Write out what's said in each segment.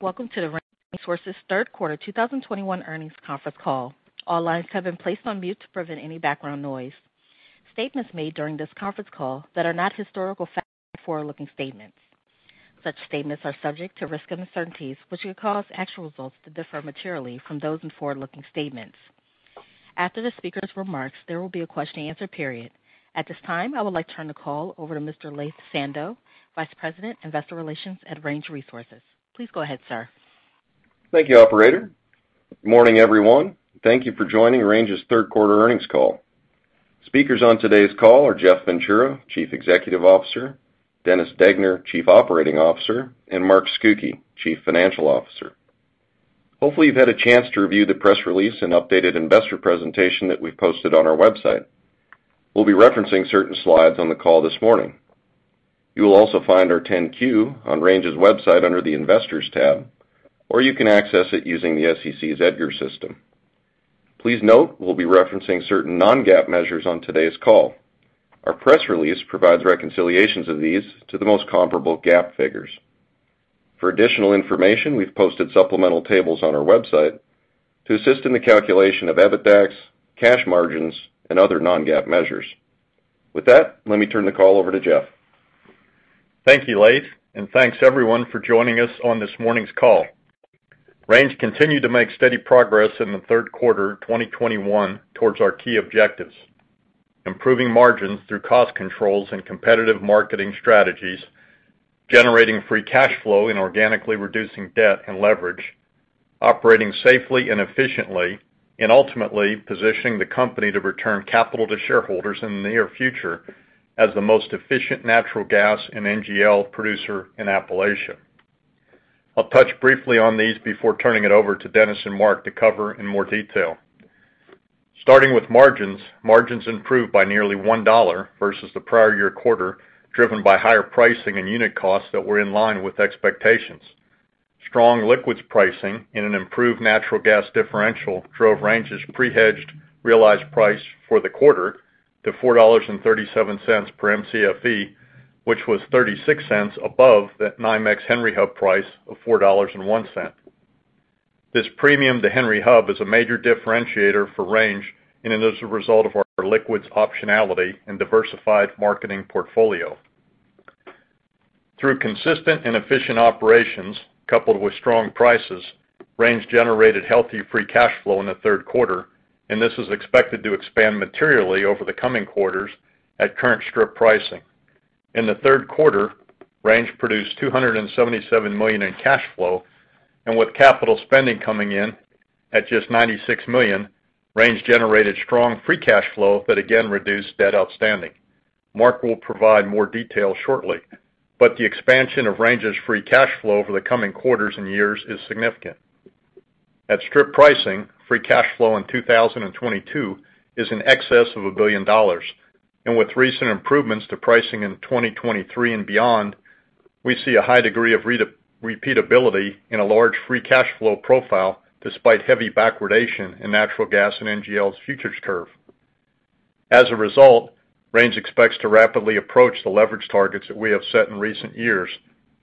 Welcome to the Range Resources Third Quarter 2021 Earnings Conference Call. All lines have been placed on mute to prevent any background noise. Statements made during this conference call that are not historical facts are forward-looking statements. Such statements are subject to risks and uncertainties, which could cause actual results to differ materially from those in forward-looking statements. After the speaker's remarks, there will be a question and answer period. At this time, I would like to turn the call over to Mr. Laith Sando, Vice President, Investor Relations at Range Resources. Please go ahead, sir. Thank you, operator. Good morning, everyone. Thank you for joining Range's third quarter earnings call. Speakers on today's call are Jeff Ventura, Chief Executive Officer, Dennis Degner, Chief Operating Officer, and Mark Scucchi, Chief Financial Officer. Hopefully, you've had a chance to review the press release and updated investor presentation that we've posted on our website. We'll be referencing certain slides on the call this morning. You will also find our 10-Q on Range's website under the Investors tab, or you can access it using the SEC's Edgar system. Please note, we'll be referencing certain non-GAAP measures on today's call. Our press release provides reconciliations of these to the most comparable GAAP figures. For additional information, we've posted supplemental tables on our website to assist in the calculation of EBITDAX, cash margins, and other non-GAAP measures. With that, let me turn the call over to Jeff. Thank you, Laith, and thanks everyone for joining us on this morning's call. Range continued to make steady progress in the third quarter of 2021 towards our key objectives, improving margins through cost controls and competitive marketing strategies, generating free cash flow and organically reducing debt and leverage, operating safely and efficiently, and ultimately positioning the company to return capital to shareholders in the near future as the most efficient natural gas and NGL producer in Appalachia. I'll touch briefly on these before turning it over to Dennis and Mark to cover in more detail. Starting with margins improved by nearly $1 versus the prior year quarter, driven by higher pricing and unit costs that were in line with expectations. Strong liquids pricing and an improved natural gas differential drove Range's pre-hedged realized price for the quarter to $4.37 per Mcfe, which was $0.36 above the NYMEX Henry Hub price of $4.01. This premium to Henry Hub is a major differentiator for Range, and it is a result of our liquids optionality and diversified marketing portfolio. Through consistent and efficient operations, coupled with strong prices, Range generated healthy free cash flow in the third quarter, and this is expected to expand materially over the coming quarters at current strip pricing. In the third quarter, Range produced $277 million in cash flow, and with capital spending coming in at just $96 million, Range generated strong free cash flow that again reduced debt outstanding. Mark will provide more detail shortly, but the expansion of Range's free cash flow over the coming quarters and years is significant. At strip pricing, free cash flow in 2022 is in excess of $1 billion. With recent improvements to pricing in 2023 and beyond, we see a high degree of repeatability in a large free cash flow profile despite heavy backwardation in natural gas and NGLs futures curve. As a result, Range expects to rapidly approach the leverage targets that we have set in recent years,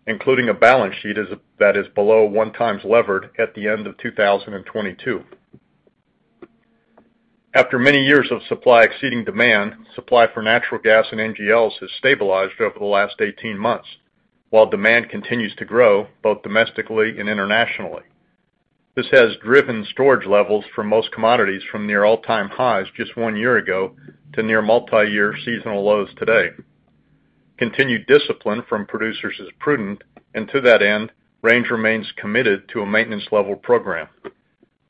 including a balance sheet that is below 1x levered at the end of 2022. After many years of supply exceeding demand, supply for natural gas and NGLs has stabilized over the last 18 months, while demand continues to grow both domestically and internationally. This has driven storage levels for most commodities from near all-time highs just one year ago to near multi-year seasonal lows today. Continued discipline from producers is prudent, and to that end, Range remains committed to a maintenance level program.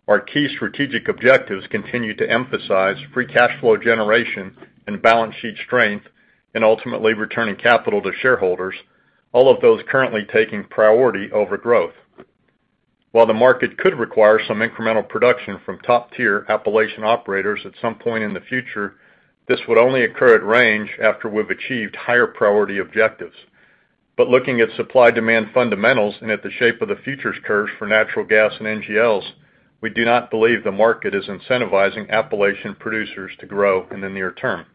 Our key strategic objectives continue to emphasize free cash flow generation and balance sheet strength and ultimately returning capital to shareholders, all of those currently taking priority over growth. While the market could require some incremental production from top-tier Appalachian operators at some point in the future, this would only occur at Range after we've achieved higher priority objectives. Looking at supply demand fundamentals and at the shape of the futures curves for natural gas and NGLs, we do not believe the market is incentivizing Appalachian producers to grow in the near term.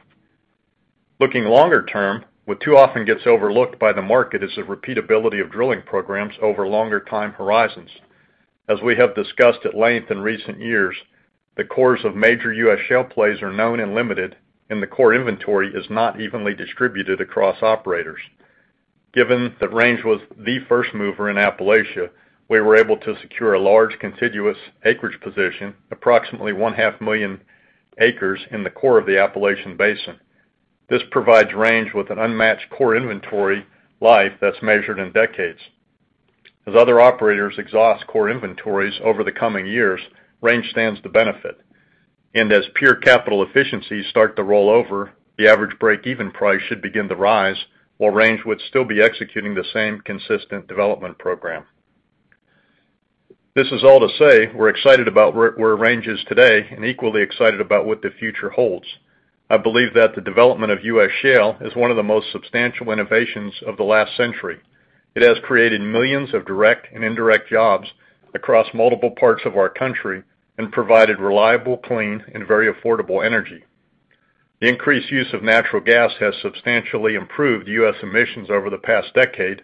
Looking longer term, what too often gets overlooked by the market is the repeatability of drilling programs over longer time horizons. As we have discussed at length in recent years, the cores of major U.S. shale plays are known and limited, and the core inventory is not evenly distributed across operators. Given that Range was the first mover in Appalachia, we were able to secure a large contiguous acreage position, approximately 500,000 acres in the core of the Appalachian Basin. This provides Range with an unmatched core inventory life that's measured in decades. As other operators exhaust core inventories over the coming years, Range stands to benefit. As pure capital efficiencies start to roll over, the average break-even price should begin to rise, while Range would still be executing the same consistent development program. This is all to say we're excited about where Range is today and equally excited about what the future holds. I believe that the development of U.S. shale is one of the most substantial innovations of the last century. It has created millions of direct and indirect jobs across multiple parts of our country and provided reliable, clean, and very affordable energy. The increased use of natural gas has substantially improved U.S. emissions over the past decade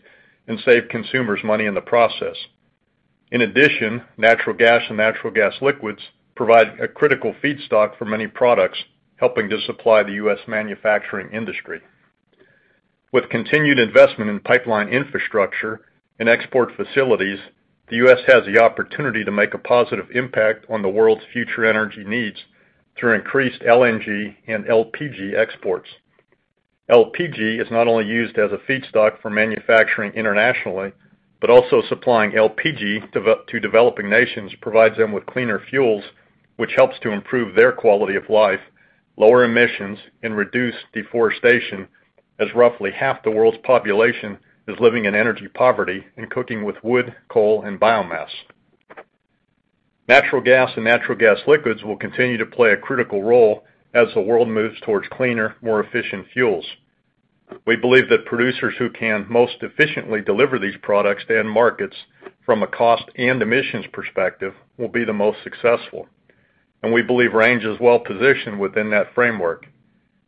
and saved consumers money in the process. In addition, natural gas and natural gas liquids provide a critical feedstock for many products, helping to supply the U.S. manufacturing industry. With continued investment in pipeline infrastructure and export facilities, the U.S. has the opportunity to make a positive impact on the world's future energy needs through increased LNG and LPG exports. LPG is not only used as a feedstock for manufacturing internationally, but also supplying LPG to developing nations provides them with cleaner fuels, which helps to improve their quality of life, lower emissions, and reduce deforestation, as roughly half the world's population is living in energy poverty and cooking with wood, coal, and biomass. Natural gas and natural gas liquids will continue to play a critical role as the world moves towards cleaner, more efficient fuels. We believe that producers who can most efficiently deliver these products to end markets from a cost and emissions perspective will be the most successful, and we believe Range is well-positioned within that framework.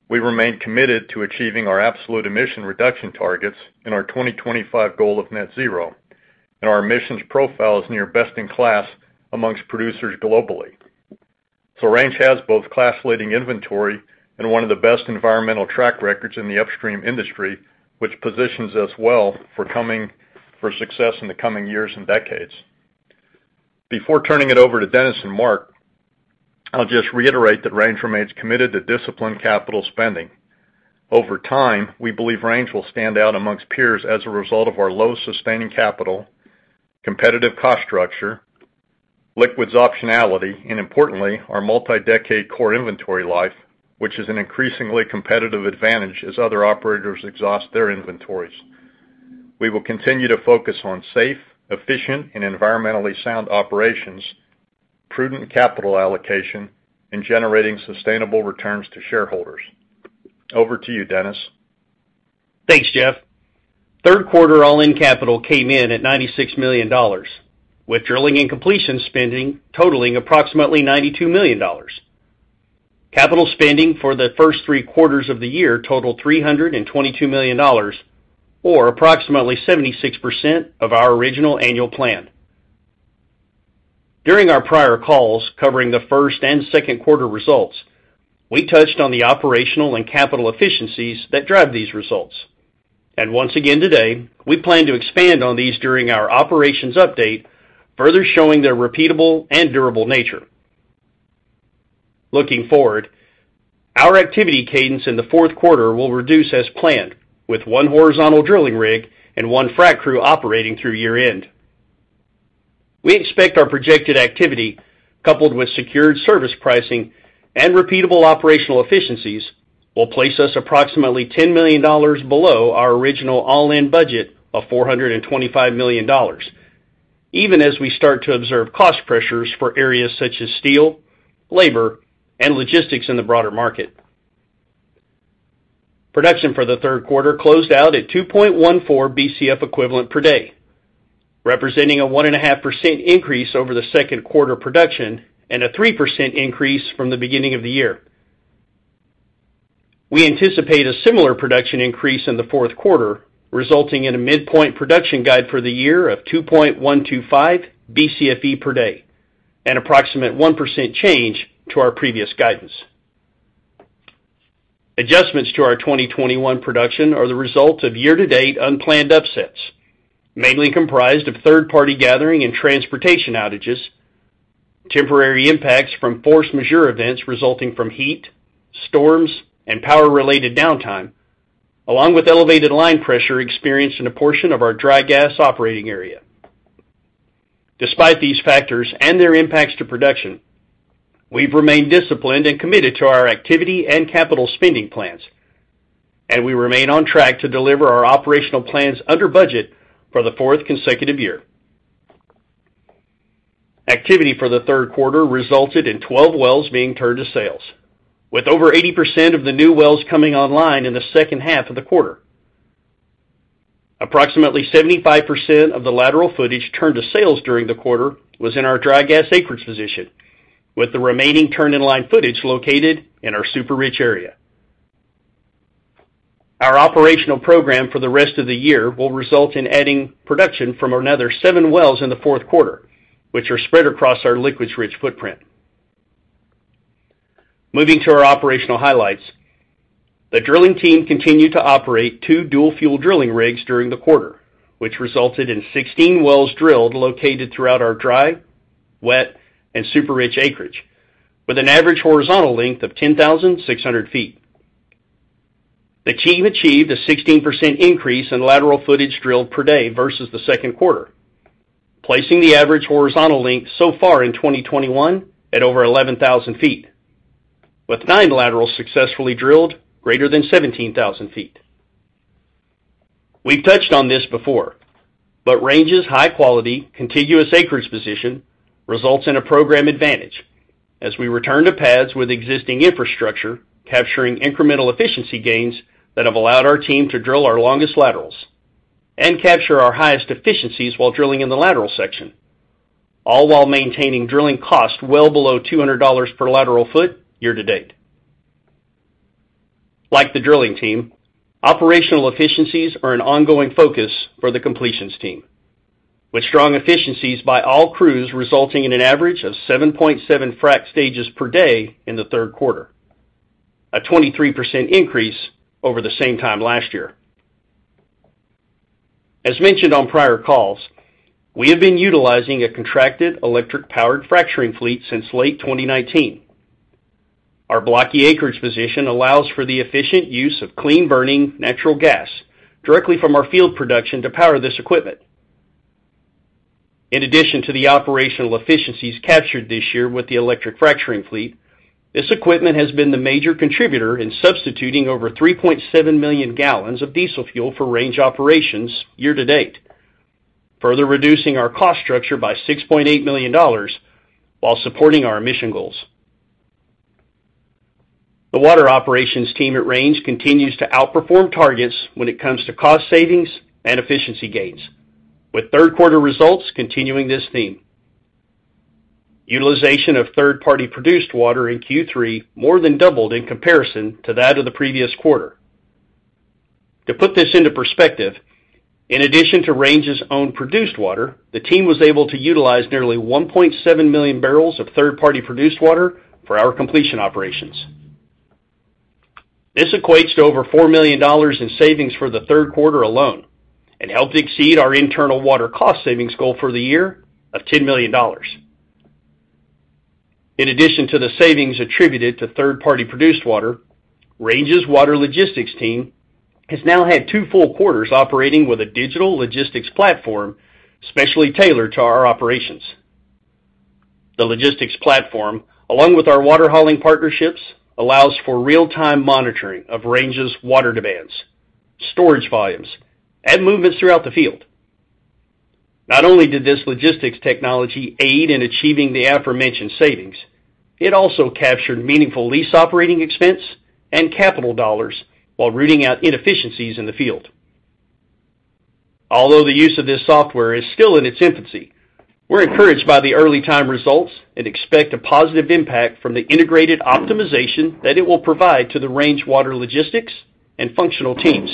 We remain committed to achieving our absolute emission reduction targets and our 2025 goal of net zero, and our emissions profile is near best-in-class among producers globally. Range has both class-leading inventory and one of the best environmental track records in the upstream industry, which positions us well for success in the coming years and decades. Before turning it over to Dennis and Mark, I'll just reiterate that Range remains committed to disciplined capital spending. Over time, we believe Range will stand out amongst peers as a result of our low sustaining capital, competitive cost structure, liquids optionality, and importantly, our multi-decade core inventory life, which is an increasingly competitive advantage as other operators exhaust their inventories. We will continue to focus on safe, efficient, and environmentally sound operations, prudent capital allocation, and generating sustainable returns to shareholders. Over to you, Dennis. Thanks, Jeff. Third quarter all-in capital came in at $96 million, with drilling and completion spending totaling approximately $92 million. Capital spending for the first three quarters of the year totaled $322 million or approximately 76% of our original annual plan. During our prior calls covering the first and second quarter results, we touched on the operational and capital efficiencies that drive these results. Once again today, we plan to expand on these during our operations update, further showing their repeatable and durable nature. Looking forward, our activity cadence in the fourth quarter will reduce as planned with 1 horizontal drilling rig and 1 frac crew operating through year-end. We expect our projected activity, coupled with secured service pricing and repeatable operational efficiencies, will place us approximately $10 million below our original all-in budget of $425 million, even as we start to observe cost pressures for areas such as steel, labor, and logistics in the broader market. Production for the third quarter closed out at 2.14 Bcfe equivalent per day, representing a 1.5% increase over the second quarter production and a 3% increase from the beginning of the year. We anticipate a similar production increase in the fourth quarter, resulting in a midpoint production guide for the year of 2.125 Bcfe per day, an approximate 1% change to our previous guidance. Adjustments to our 2021 production are the result of year-to-date unplanned upsets, mainly comprised of third-party gathering and transportation outages, temporary impacts from force majeure events resulting from heat, storms, and power-related downtime, along with elevated line pressure experienced in a portion of our dry gas operating area. Despite these factors and their impacts to production, we've remained disciplined and committed to our activity and capital spending plans, and we remain on track to deliver our operational plans under budget for the fourth consecutive year. Activity for the third quarter resulted in 12 wells being turned to sales, with over 80% of the new wells coming online in the second half of the quarter. Approximately 75% of the lateral footage turned to sales during the quarter was in our dry gas acreage position, with the remaining turn-in-line footage located in our super rich area. Our operational program for the rest of the year will result in adding production from another 7 wells in the fourth quarter, which are spread across our liquids rich footprint. Moving to our operational highlights, the drilling team continued to operate two dual-fuel drilling rigs during the quarter, which resulted in 16 wells drilled located throughout our dry, wet, and super rich acreage with an average horizontal length of 10,600 feet. The team achieved a 16% increase in lateral footage drilled per day versus the second quarter, placing the average horizontal length so far in 2021 at over 11,000 feet, with nine laterals successfully drilled greater than 17,000 feet. We've touched on this before, but Range's high-quality, contiguous acreage position results in a program advantage as we return to pads with existing infrastructure, capturing incremental efficiency gains that have allowed our team to drill our longest laterals and capture our highest efficiencies while drilling in the lateral section. All while maintaining drilling costs well below $200 per lateral foot year-to-date. Like the drilling team, operational efficiencies are an ongoing focus for the completions team, with strong efficiencies by all crews resulting in an average of 7.7 frac stages per day in the third quarter, a 23% increase over the same time last year. As mentioned on prior calls, we have been utilizing a contracted electric-powered fracturing fleet since late 2019. Our blocky acreage position allows for the efficient use of clean-burning natural gas directly from our field production to power this equipment. In addition to the operational efficiencies captured this year with the electric fracturing fleet, this equipment has been the major contributor in substituting over 3.7 million gallons of diesel fuel for Range operations year-to-date, further reducing our cost structure by $6.8 million while supporting our emission goals. The water operations team at Range continues to outperform targets when it comes to cost savings and efficiency gains, with third quarter results continuing this theme. Utilization of third-party produced water in Q3 more than doubled in comparison to that of the previous quarter. To put this into perspective, in addition to Range's own produced water, the team was able to utilize nearly 1.7 million barrels of third-party produced water for our completion operations. This equates to over $4 million in savings for the third quarter alone and helped exceed our internal water cost savings goal for the year of $10 million. In addition to the savings attributed to third-party produced water, Range's water logistics team has now had two full quarters operating with a digital logistics platform specially tailored to our operations. The logistics platform, along with our water hauling partnerships, allows for real-time monitoring of Range's water demands, storage volumes, and movements throughout the field. Not only did this logistics technology aid in achieving the aforementioned savings, it also captured meaningful lease operating expense and capital dollars while rooting out inefficiencies in the field. Although the use of this software is still in its infancy, we're encouraged by the early time results and expect a positive impact from the integrated optimization that it will provide to the Range water logistics and functional teams.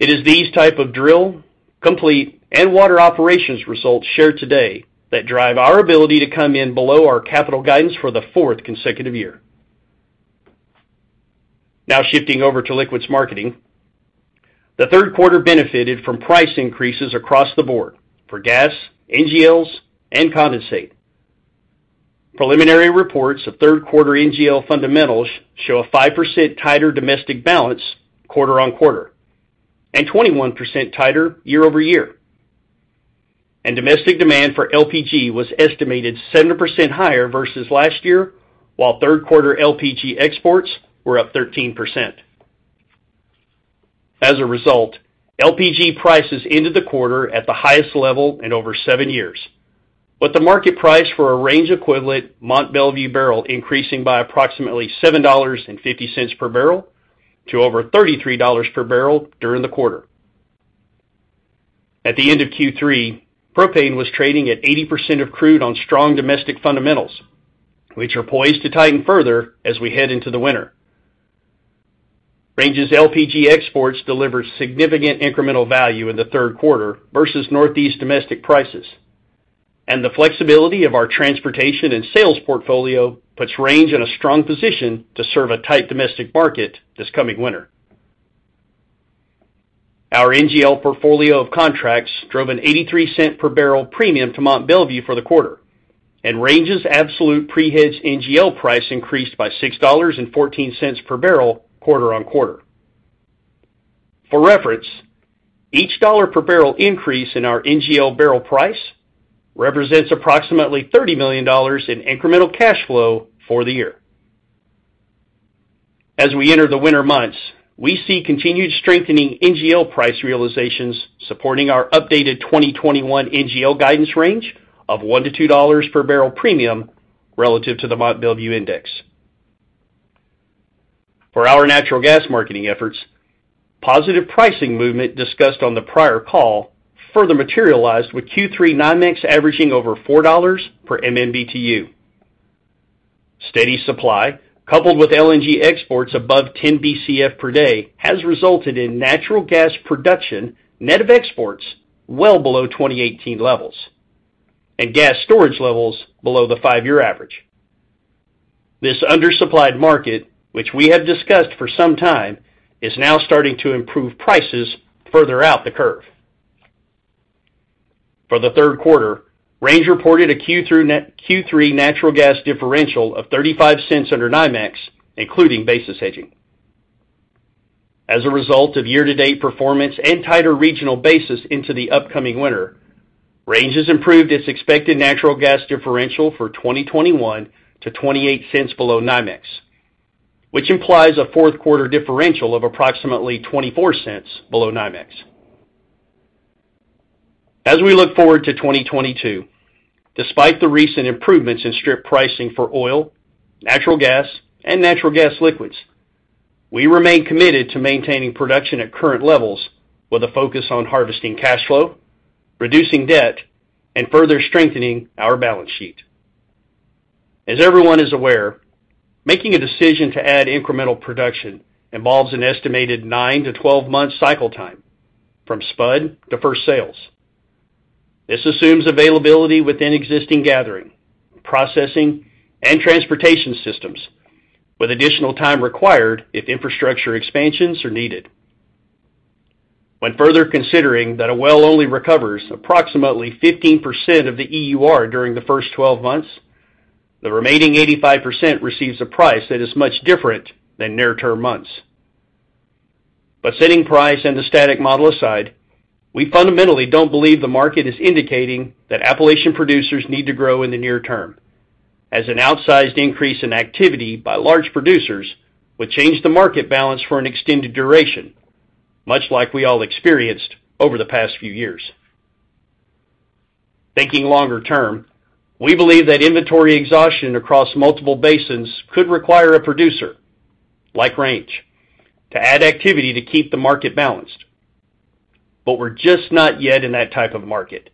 It is these type of drill, complete, and water operations results shared today that drive our ability to come in below our capital guidance for the fourth consecutive year. Now shifting over to liquids marketing. The third quarter benefited from price increases across the board for gas, NGLs, and condensate. Preliminary reports of third quarter NGL fundamentals show a 5% tighter domestic balance quarter-over-quarter and 21% tighter year-over-year. Domestic demand for LPG was estimated 7% higher versus last year, while third quarter LPG exports were up 13%. As a result, LPG prices ended the quarter at the highest level in over seven years, with the market price for a Range equivalent Mont Belvieu barrel increasing by approximately $7.50 per barrel to over $33 per barrel during the quarter. At the end of Q3, propane was trading at 80% of crude on strong domestic fundamentals, which are poised to tighten further as we head into the winter. Range's LPG exports delivered significant incremental value in the third quarter versus Northeast domestic prices. The flexibility of our transportation and sales portfolio puts Range in a strong position to serve a tight domestic market this coming winter. Our NGL portfolio of contracts drove an $0.83 per barrel premium to Mont Belvieu for the quarter, and Range's absolute pre-hedge NGL price increased by $6.14 per barrel quarter on quarter. For reference, each $1 per barrel increase in our NGL barrel price represents approximately $30 million in incremental cash flow for the year. As we enter the winter months, we see continued strengthening NGL price realizations supporting our updated 2021 NGL guidance range of $1-$2 per barrel premium relative to the Mont Belvieu index. For our natural gas marketing efforts, positive pricing movement discussed on the prior call further materialized with Q3 NYMEX averaging over $4 per MMBTU. Steady supply, coupled with LNG exports above 10 Bcfe per day, has resulted in natural gas production net of exports well below 2018 levels and gas storage levels below the 5-year average. This undersupplied market, which we have discussed for some time, is now starting to improve prices further out the curve. For the third quarter, Range reported a Q3 natural gas differential of $0.35 under NYMEX, including basis hedging. As a result of year-to-date performance and tighter regional basis into the upcoming winter, Range has improved its expected natural gas differential for 2021 to $0.28 below NYMEX, which implies a fourth quarter differential of approximately $0.24 below NYMEX. As we look forward to 2022, despite the recent improvements in strip pricing for oil, natural gas, and natural gas liquids. We remain committed to maintaining production at current levels with a focus on harvesting cash flow, reducing debt, and further strengthening our balance sheet. As everyone is aware, making a decision to add incremental production involves an estimated nine to 12-month cycle time from spud to first sales. This assumes availability within existing gathering, processing, and transportation systems with additional time required if infrastructure expansions are needed. When further considering that a well only recovers approximately 15% of the EUR during the first 12 months, the remaining 85% receives a price that is much different than near-term months. Setting price and the static model aside, we fundamentally don't believe the market is indicating that Appalachian producers need to grow in the near term as an outsized increase in activity by large producers would change the market balance for an extended duration, much like we all experienced over the past few years. Thinking longer term, we believe that inventory exhaustion across multiple basins could require a producer, like Range, to add activity to keep the market balanced. We're just not yet in that type of market,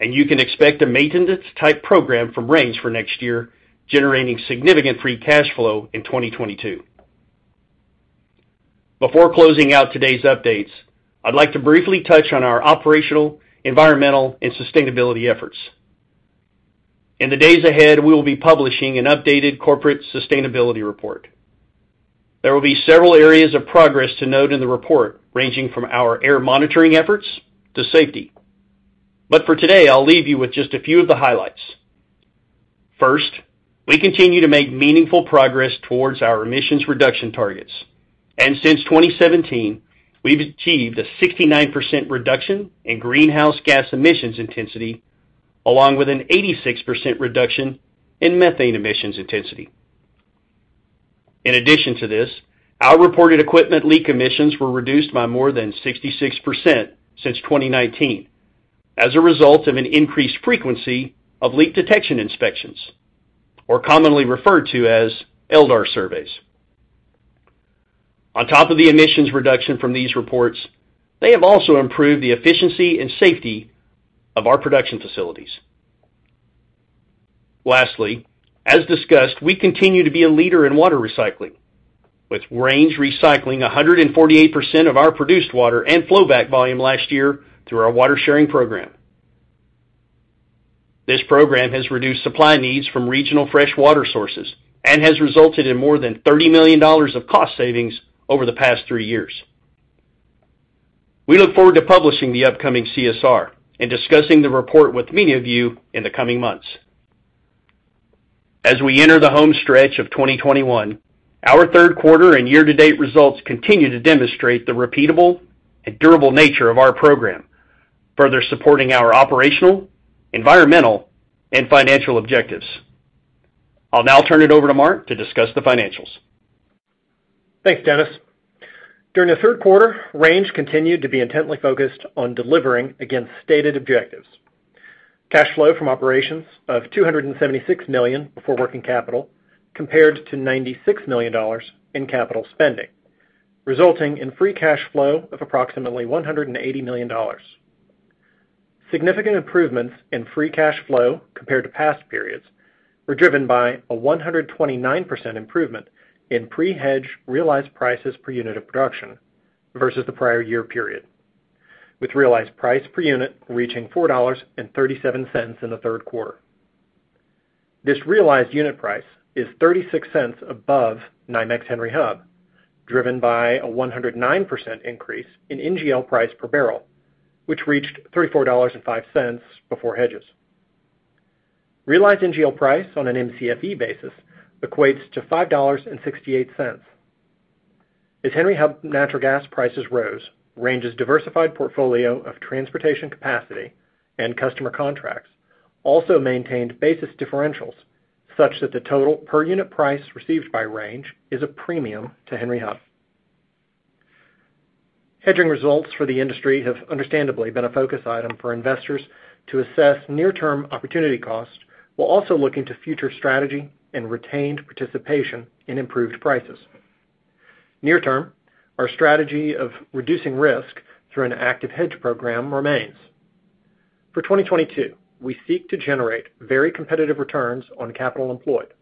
and you can expect a maintenance type program from Range for next year, generating significant free cash flow in 2022. Before closing out today's updates, I'd like to briefly touch on our operational, environmental, and sustainability efforts. In the days ahead, we will be publishing an updated corporate sustainability report. There will be several areas of progress to note in the report, ranging from our air monitoring efforts to safety. For today, I'll leave you with just a few of the highlights. First, we continue to make meaningful progress towards our emissions reduction targets, and since 2017, we've achieved a 69% reduction in greenhouse gas emissions intensity, along with an 86% reduction in methane emissions intensity. In addition to this, our reported equipment leak emissions were reduced by more than 66% since 2019 as a result of an increased frequency of leak detection inspections, or commonly referred to as LDAR surveys. On top of the emissions reduction from these reports, they have also improved the efficiency and safety of our production facilities. Lastly, as discussed, we continue to be a leader in water recycling, with Range recycling 148% of our produced water and flowback volume last year through our water sharing program. This program has reduced supply needs from regional fresh water sources and has resulted in more than $30 million of cost savings over the past three years. We look forward to publishing the upcoming CSR and discussing the report with many of you in the coming months. As we enter the home stretch of 2021, our third quarter and year-to-date results continue to demonstrate the repeatable and durable nature of our program, further supporting our operational, environmental, and financial objectives. I'll now turn it over to Mark to discuss the financials. Thanks, Dennis. During the third quarter, Range continued to be intently focused on delivering against stated objectives. Cash flow from operations of $276 million before working capital compared to $96 million in capital spending, resulting in free cash flow of approximately $180 million. Significant improvements in free cash flow compared to past periods were driven by a 129% improvement in pre-hedge realized prices per unit of production versus the prior year period, with realized price per unit reaching $4.37 in the third quarter. This realized unit price is $0.36 above NYMEX Henry Hub, driven by a 109% increase in NGL price per barrel, which reached $34.05 before hedges. Realized NGL price on a Mcfe basis equates to $5.68. As Henry Hub natural gas prices rose, Range's diversified portfolio of transportation capacity and customer contracts also maintained basis differentials such that the total per unit price received by Range is a premium to Henry Hub. Hedging results for the industry have understandably been a focus item for investors to assess near-term opportunity cost, while also looking to future strategy and retained participation in improved prices. Near term, our strategy of reducing risk through an active hedge program remains. For 2022, we seek to generate very competitive returns on capital employed,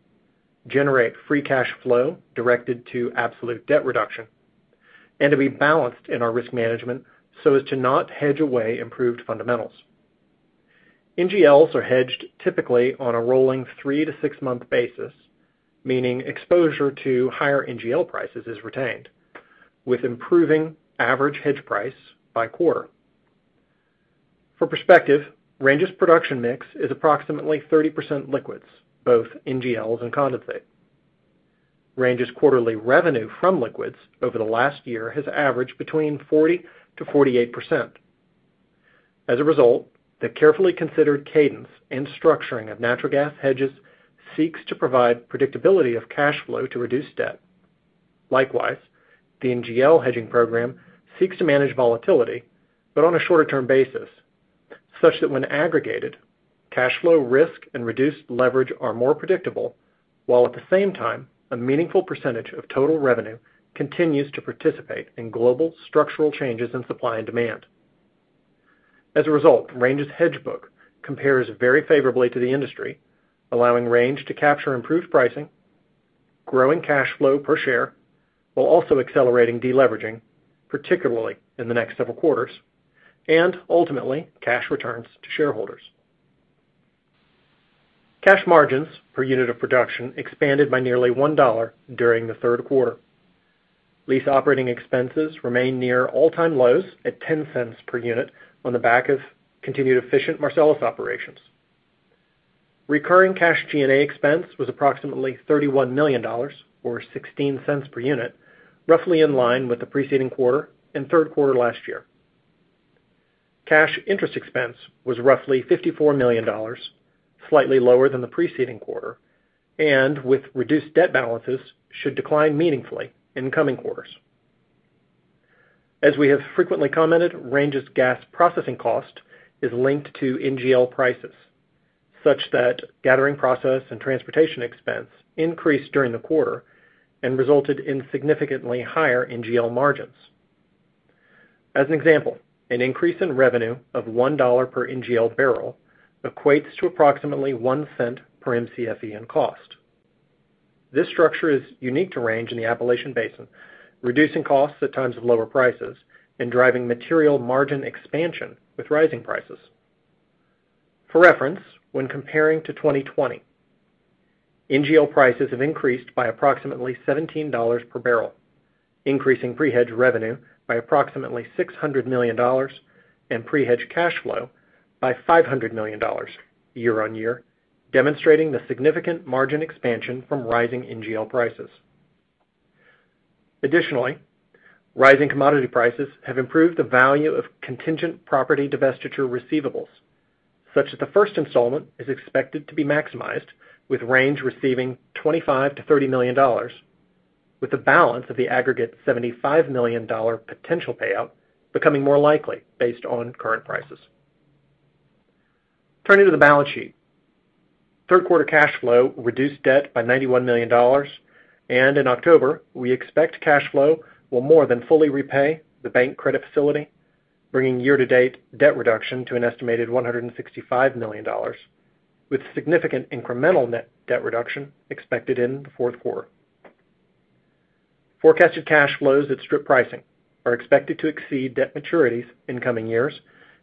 generate free cash flow directed to absolute debt reduction, and to be balanced in our risk management so as to not hedge away improved fundamentals. NGLs are hedged typically on a rolling 3-6-month basis, meaning exposure to higher NGL prices is retained, with improving average hedge price by quarter. For perspective, Range's production mix is approximately 30% liquids, both NGLs and condensate. Range's quarterly revenue from liquids over the last year has averaged between 40%-48%. As a result, the carefully considered cadence and structuring of natural gas hedges seeks to provide predictability of cash flow to reduce debt. Likewise, the NGL hedging program seeks to manage volatility, but on a shorter-term basis. Such that when aggregated, cash flow risk and reduced leverage are more predictable, while at the same time, a meaningful percentage of total revenue continues to participate in global structural changes in supply and demand. As a result, Range's hedge book compares very favorably to the industry, allowing Range to capture improved pricing, growing cash flow per share, while also accelerating deleveraging, particularly in the next several quarters, and ultimately cash returns to shareholders. Cash margins per unit of production expanded by nearly $1 during the third quarter. Lease operating expenses remain near all-time lows at $0.10 per unit on the back of continued efficient Marcellus operations. Recurring cash G&A expense was approximately $31 million, or $0.16 per unit, roughly in line with the preceding quarter and third quarter last year. Cash interest expense was roughly $54 million, slightly lower than the preceding quarter, and with reduced debt balances, should decline meaningfully in coming quarters. As we have frequently commented, Range's gas processing cost is linked to NGL prices, such that gathering, processing and transportation expense increased during the quarter and resulted in significantly higher NGL margins. As an example, an increase in revenue of $1 per NGL barrel equates to approximately $0.01 per Mcfe in cost. This structure is unique to Range in the Appalachian Basin, reducing costs at times of lower prices and driving material margin expansion with rising prices. For reference, when comparing to 2020, NGL prices have increased by approximately $17 per barrel, increasing pre-hedge revenue by approximately $600 million and pre-hedge cash flow by $500 million year-on-year, demonstrating the significant margin expansion from rising NGL prices. Additionally, rising commodity prices have improved the value of contingent property divestiture receivables, such that the first installment is expected to be maximized, with Range receiving $25 million-$30 million, with the balance of the aggregate $75 million potential payout becoming more likely based on current prices. Turning to the balance sheet. Third quarter cash flow reduced debt by $91 million, and in October, we expect cash flow will more than fully repay the bank credit facility, bringing year-to-date debt reduction to an estimated $165 million, with significant incremental net debt reduction expected in the fourth quarter. Forecasted cash flows at strip pricing are expected to exceed debt maturities in coming years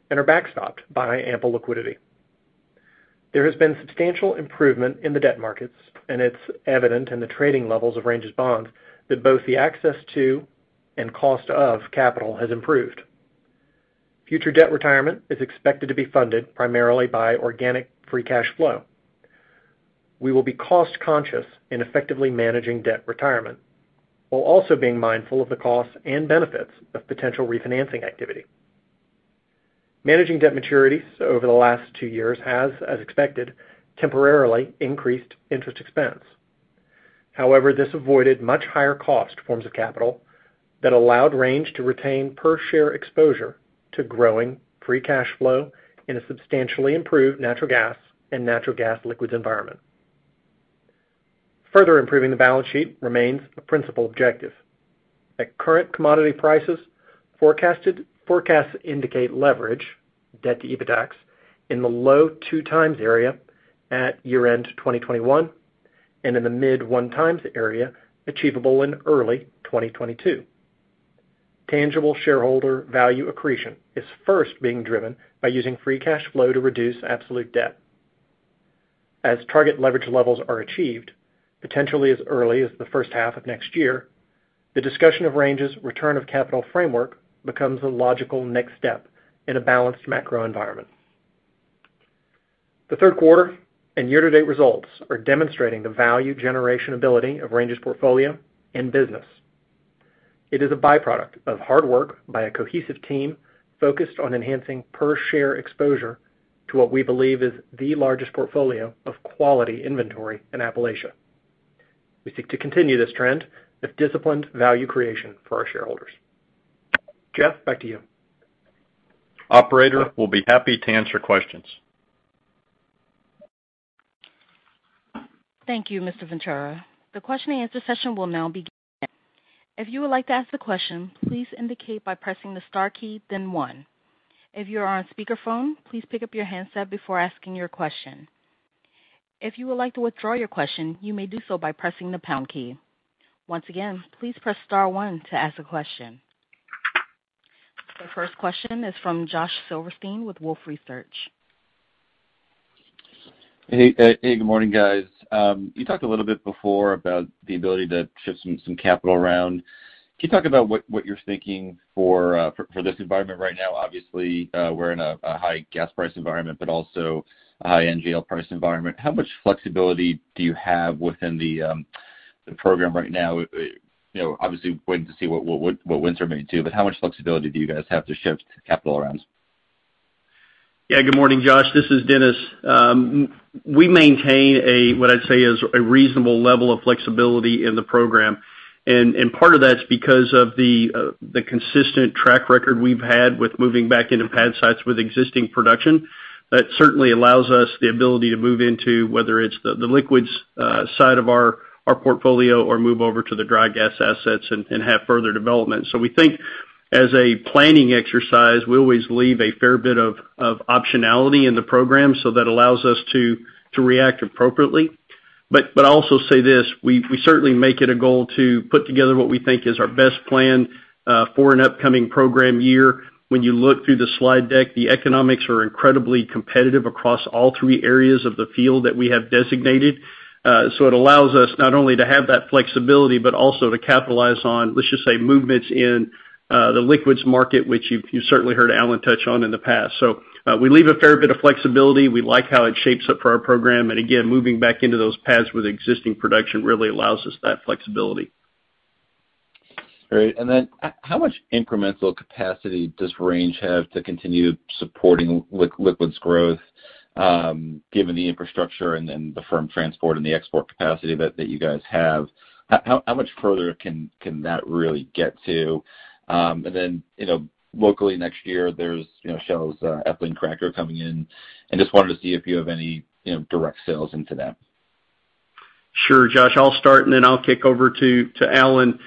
and are backstopped by ample liquidity. There has been substantial improvement in the debt markets, and it's evident in the trading levels of Range's bonds that both the access to and cost of capital has improved. Future debt retirement is expected to be funded primarily by organic free cash flow. We will be cost-conscious in effectively managing debt retirement, while also being mindful of the costs and benefits of potential refinancing activity. Managing debt maturities over the last two years has, as expected, temporarily increased interest expense. However, this avoided much higher cost forms of capital that allowed Range to retain per share exposure to growing free cash flow in a substantially improved natural gas and natural gas liquids environment. Further improving the balance sheet remains a principal objective. At current commodity prices forecasted, forecasts indicate leverage, debt to EBITDAX, in the low 2x area at year-end 2021 and in the mid 1x area achievable in early 2022. Tangible shareholder value accretion is first being driven by using free cash flow to reduce absolute debt. As target leverage levels are achieved, potentially as early as the first half of next year, the discussion of Range's return of capital framework becomes a logical next step in a balanced macro environment. The third quarter and year-to-date results are demonstrating the value generation ability of Range's portfolio and business. It is a byproduct of hard work by a cohesive team focused on enhancing per share exposure to what we believe is the largest portfolio of quality inventory in Appalachia. We seek to continue this trend of disciplined value creation for our shareholders. Jeff, back to you. Operator, we'll be happy to answer questions. Thank you, Mr. Ventura. The question-and-answer session will now begin. If you would like to ask a question, please indicate by pressing the star key, then one. If you are on speakerphone, please pick up your handset before asking your question. If you would like to withdraw your question, you may do so by pressing the pound key. Once again, please press star one to ask a question. The first question is from Josh Silverstein with Wolfe Research. Hey, good morning, guys. You talked a little bit before about the ability to shift some capital around. Can you talk about what you're thinking for this environment right now? Obviously, we're in a high gas price environment, but also a high NGL price environment. How much flexibility do you have within the program right now? You know, obviously waiting to see what wins are made too, but how much flexibility do you guys have to shift capital around? Yeah. Good morning, Josh. This is Dennis. We maintain a what I'd say is a reasonable level of flexibility in the program. Part of that's because of the consistent track record we've had with moving back into pad sites with existing production. That certainly allows us the ability to move into whether it's the liquids side of our portfolio or move over to the dry gas assets and have further development. We think as a planning exercise, we always leave a fair bit of optionality in the program, so that allows us to react appropriately. I'll also say this, we certainly make it a goal to put together what we think is our best plan for an upcoming program year. When you look through the slide deck, the economics are incredibly competitive across all three areas of the field that we have designated. It allows us not only to have that flexibility, but also to capitalize on, let's just say, movements in the liquids market, which you've you certainly heard Alan touch on in the past. We leave a fair bit of flexibility. We like how it shapes up for our program. Again, moving back into those pads with existing production really allows us that flexibility. Great. How much incremental capacity does Range have to continue supporting liquids growth, given the infrastructure and then the firm transport and the export capacity that you guys have? How much further can that really get to? You know, locally next year, there's you know, Shell's ethylene cracker coming in. I just wanted to see if you have any you know, direct sales into that. Sure, Josh. I'll start, and then I'll kick over to Alan.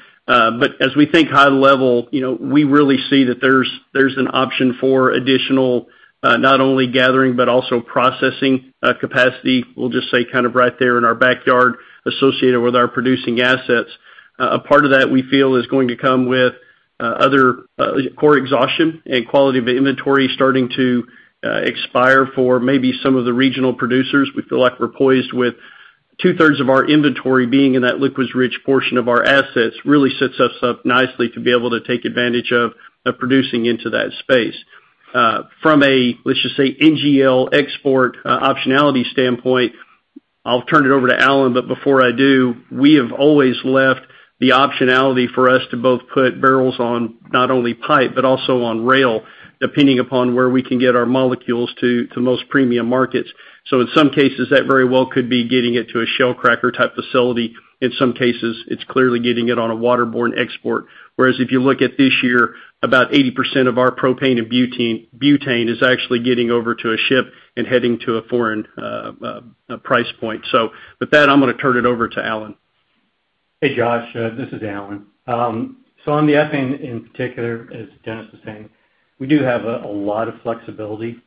As we think high level, you know, we really see that there's an option for additional not only gathering, but also processing capacity. We'll just say kind of right there in our backyard associated with our producing assets. A part of that we feel is going to come with other core exhaustion and quality of inventory starting to expire for maybe some of the regional producers. We feel like we're poised with two-thirds of our inventory being in that liquids rich portion of our assets, really sets us up nicely to be able to take advantage of producing into that space. From a, let's just say, NGL export optionality standpoint, I'll turn it over to Alan. Before I do, we have always left the optionality for us to both put barrels on not only pipe, but also on rail, depending upon where we can get our molecules to most premium markets. In some cases, that very well could be getting it to a Shell cracker type facility. In some cases, it's clearly getting it on a waterborne export. Whereas if you look at this year, about 80% of our propane and butane is actually getting over to a ship and heading to a foreign price point. With that, I'm gonna turn it over to Alan. Hey, Josh, this is Alan. On the ethane in particular, as Dennis was saying, we do have a lot of flexibility.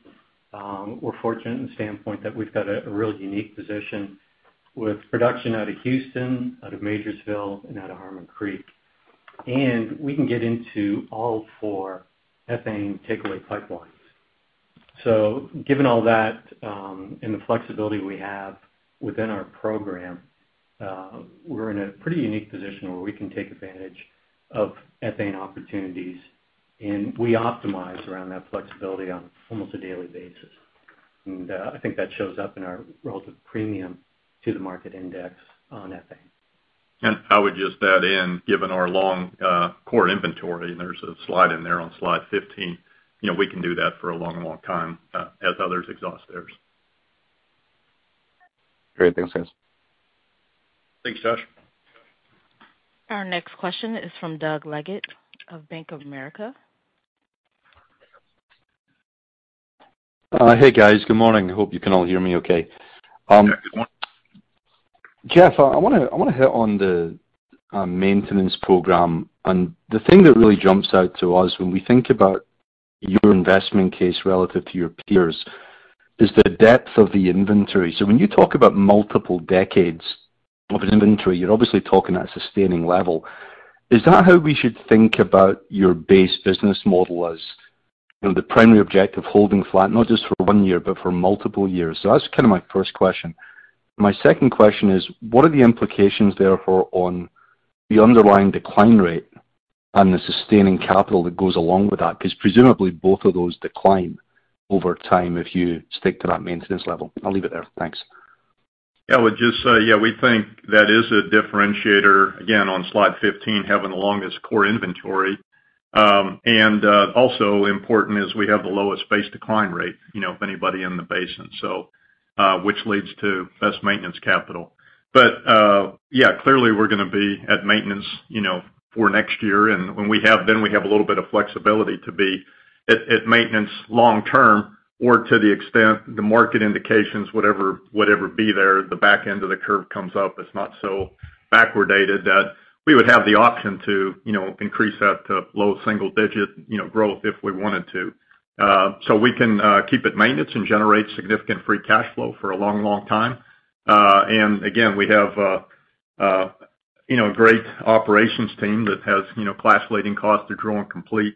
We're fortunate in the standpoint that we've got a really unique position with production out of Houston, out of Majorsville and out of Harmon Creek. We can get into all four ethane takeaway pipelines. Given all that, and the flexibility we have within our program, we're in a pretty unique position where we can take advantage of ethane opportunities, and we optimize around that flexibility on almost a daily basis. I think that shows up in our relative premium to the market index on ethane. I would just add in, given our long, core inventory, and there's a slide in there on slide 15, you know, we can do that for a long, long time, as others exhaust theirs. Great. Thanks, guys. Thanks, Josh. Our next question is from Douglas Leggate of Bank of America. Hey, guys. Good morning. Hope you can all hear me okay. Yeah, good morning. Jeff, I wanna hit on the maintenance program. The thing that really jumps out to us when we think about your investment case relative to your peers is the depth of the inventory. When you talk about multiple decades of inventory, you're obviously talking at a sustaining level. Is that how we should think about your base business model as, you know, the primary objective holding flat, not just for one year, but for multiple years? That's kinda my first question. My second question is, what are the implications therefore on the underlying decline rate and the sustaining capital that goes along with that? Because presumably both of those decline over time if you stick to that maintenance level. I'll leave it there. Thanks. Yeah. I would just say, yeah, we think that is a differentiator, again, on slide 15, having the longest core inventory. Also important is we have the lowest base decline rate, you know, of anybody in the basin, so, which leads to best maintenance capital. Yeah, clearly, we're gonna be at maintenance, you know, for next year. We have a little bit of flexibility to be at maintenance long term or to the extent the market indications, whatever be there, the back end of the curve comes up. It's not so backwardated that we would have the option to, you know, increase that to low single digit, you know, growth if we wanted to. We can keep it maintenance and generate significant free cash flow for a long, long time. Again, we have, you know, great operations team that has, you know, class-leading cost to drill and complete.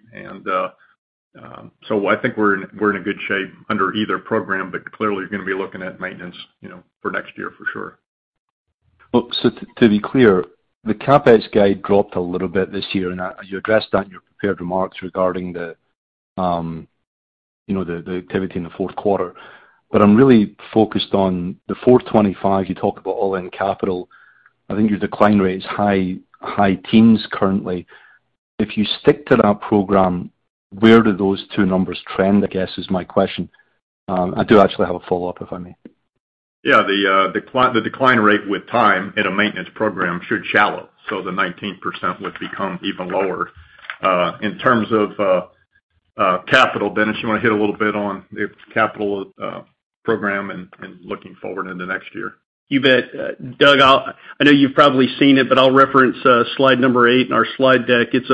I think we're in a good shape under either program, but clearly you're gonna be looking at maintenance, you know, for next year for sure. Look, to be clear, the CapEx guide dropped a little bit this year, and you addressed that in your prepared remarks regarding the you know the activity in the fourth quarter. I'm really focused on the $425 you talk about all in capital. I think your decline rate is high teens currently. If you stick to that program, where do those two numbers trend, I guess is my question. I do actually have a follow-up, if I may. Yeah, the decline rate with time in a maintenance program should shallow. The 19% would become even lower. In terms of capital, Dennis, you wanna hit a little bit on its capital program and looking forward in the next year. You bet. Doug, I know you've probably seen it, but I'll reference slide number eight in our slide deck. It's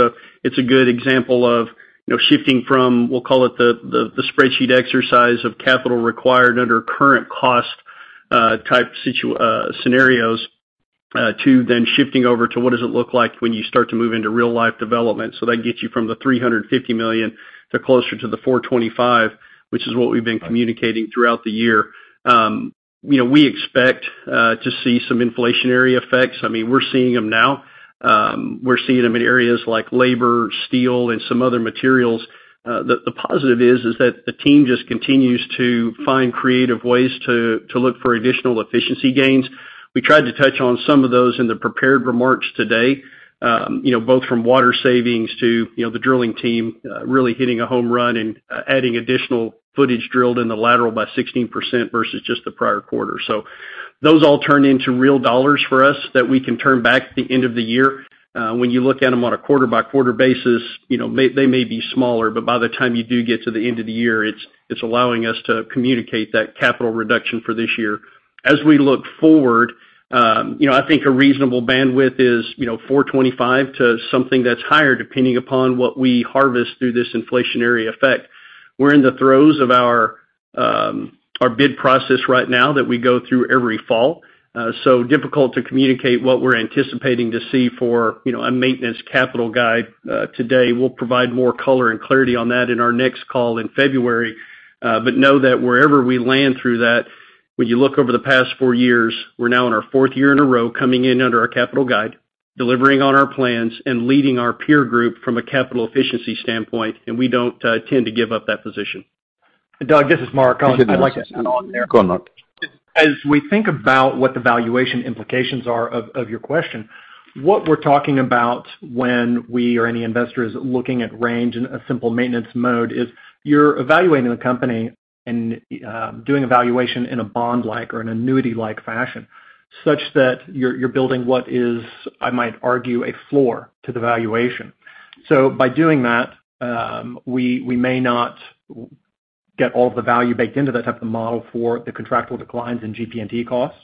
a good example of, you know, shifting from, we'll call it the spreadsheet exercise of capital required under current cost type scenarios, to then shifting over to what does it look like when you start to move into real life development. That gets you from the $350 million to closer to the $425 million, which is what we've been communicating throughout the year. You know, we expect to see some inflationary effects. I mean, we're seeing them now. We're seeing them in areas like labor, steel, and some other materials. The positive is that the team just continues to find creative ways to look for additional efficiency gains. We tried to touch on some of those in the prepared remarks today, you know, both from water savings to, you know, the drilling team really hitting a home run and adding additional footage drilled in the lateral by 16% versus just the prior quarter. Those all turn into real dollars for us that we can turn back at the end of the year. When you look at them on a quarter by quarter basis, you know, they may be smaller, but by the time you do get to the end of the year, it's allowing us to communicate that capital reduction for this year. As we look forward, you know, I think a reasonable bandwidth is, you know, $425 million to something that's higher, depending upon what we harvest through this inflationary effect. We're in the throes of our bid process right now that we go through every fall, so difficult to communicate what we're anticipating to see for, you know, a maintenance capital guide today. We'll provide more color and clarity on that in our next call in February. Know that wherever we land through that, when you look over the past four years, we're now in our fourth year in a row, coming in under our capital guide, delivering on our plans and leading our peer group from a capital efficiency standpoint, and we don't tend to give up that position. Doug, this is Mark. Yes, Dennis. I'd like to add on there. Go on, Mark. As we think about what the valuation implications are of your question, what we're talking about when we or any investor is looking at Range in a simple maintenance mode is you're evaluating the company and doing evaluation in a bond-like or an annuity-like fashion, such that you're building what is, I might argue, a floor to the valuation. By doing that, we may not get all the value baked into that type of model for the contractual declines in GP&E costs.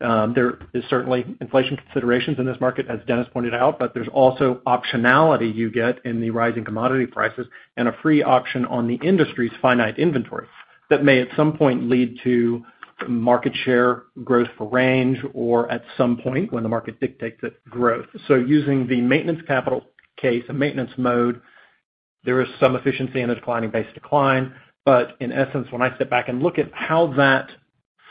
There is certainly inflation considerations in this market, as Dennis pointed out, but there's also optionality you get in the rising commodity prices and a free option on the industry's finite inventory that may at some point lead to market share growth for Range, or at some point when the market dictates it, growth. Using the maintenance capital case and maintenance mode, there is some efficiency in a declining base decline. But in essence, when I step back and look at how that